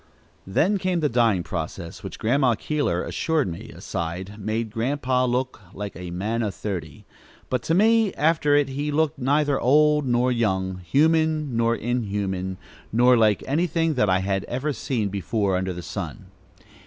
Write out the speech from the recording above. Then came the dyeing process, which Grandma Keeler assured me, aside, made Grandpa "look like a man o' thirty;" but to me, after it he looked neither old nor young, human nor inhuman, nor like anything that I had ever seen before under the sun.